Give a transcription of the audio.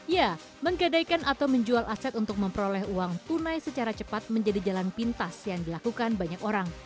ya menggadaikan atau menjual aset untuk memperoleh uang tunai secara cepat menjadi jalan pintas yang dilakukan banyak orang